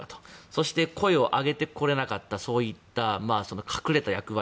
そして声を上げてこれなかったそういった隠れた役割